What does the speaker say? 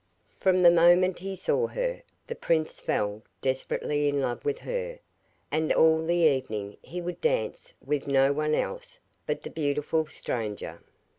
From the moment he saw her, the prince fell desperately in love with her, and all the evening he would dance with no one else but the beautiful stranger.